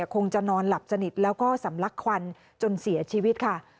คงจะนอนหลับสนิทแล้วก็สำลักควันจนเสียชีวิตค่ะ